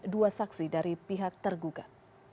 dua saksi dari pihak tergugat